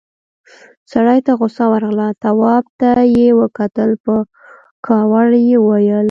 سړي ته غوسه ورغله، تواب ته يې وکتل، په کاوړ يې وويل: